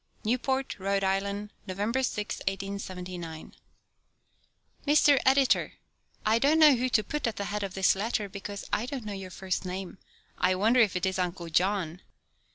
NEWPORT, RHODE ISLAND, November 6, 1879. MR. EDITOR, I don't know who to put at the head of this letter, because I don't know your first name. I wonder if it is Uncle John.